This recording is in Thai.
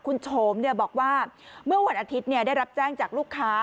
คุณโฉมบอกว่าเมื่อวันอาทิตย์ได้รับแจ้งจากลูกค้า